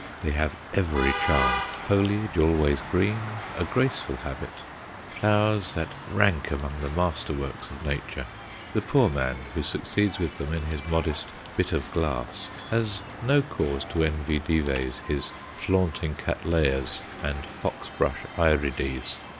They have every charm foliage always green, a graceful habit, flowers that rank among the master works of Nature. The poor man who succeeds with them in his modest "bit of glass" has no cause to envy Dives his flaunting Cattleyas and "fox brush" Aerides.